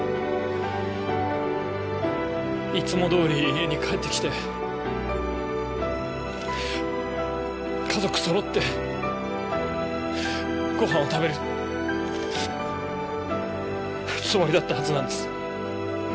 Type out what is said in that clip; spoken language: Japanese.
いつも通り家に帰って来て家族そろってごはんを食べるつもりだったはずなんです。